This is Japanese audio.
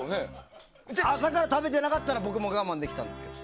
朝から食べてなかったら僕も我慢できたんですけど。